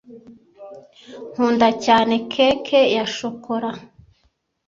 nkunda cyane cake ya shokora